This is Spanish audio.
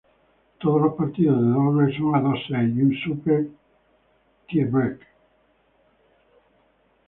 Todos los partidos de dobles son a dos sets y un Super Tie-break.